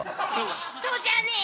人じゃねえし！